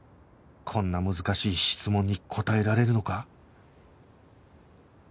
こんな難しい質問に答えられるのか？